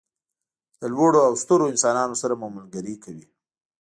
له لوړو او سترو انسانانو سره مو ملګري کوي.